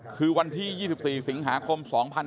คือวันที่๒๔สิงหาคม๒๕๕๙